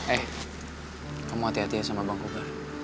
eh kamu hati hati ya sama bang kober